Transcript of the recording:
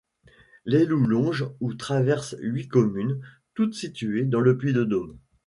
L'Ailloux longe ou traverse huit communes, toutes situées dans le Puy-de-Dôme.